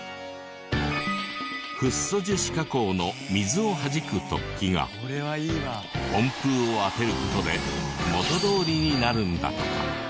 フッ素樹脂加工の水をはじく突起が温風を当てる事で元どおりになるんだとか。